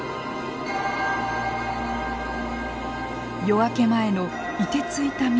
夜明け前のいてついた湖。